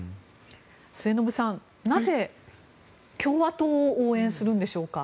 末延さん、なぜ共和党を応援するんでしょうか。